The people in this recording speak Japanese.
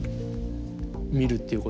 見るっていうこと。